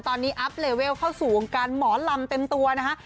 ตอนนี้อัพเลเวลเข้าสู่วงการหมอลำเต็มตัวนะฮะ